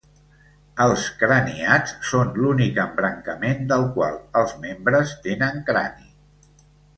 Els craniats són l'únic embrancament del qual els membres tenen crani.